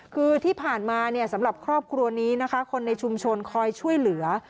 คือที่ผ่านมาเนี่ยสำหรับครอบครัวนี้นะคะคนในชุมชนคอยช่วยเหลือ